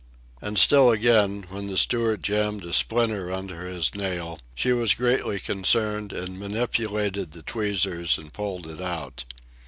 And still again, when the steward jammed a splinter under his nail, she was greatly concerned, and manipulated the tweezers and pulled it out.